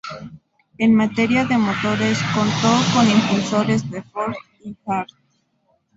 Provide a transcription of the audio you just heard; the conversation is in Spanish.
En materia de motores, contó con impulsores de Ford y Hart.